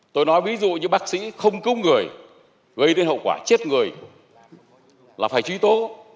tôi nói ví dụ như bác sĩ không cứu người gây đến hậu quả chết người là phải truy tố